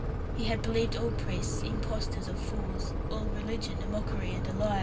He had believed all priests impostors or fools, all religion a mockery and a lie.